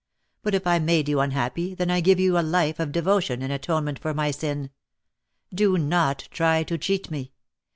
But if I made you unhappy then I can give you a life of devotion in atonement for my sin. Do not try to cheat me.